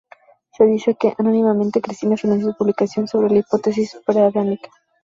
Se dice que, anónimamente, Christina financió su publicación sobre la hipótesis Pre-Adámica.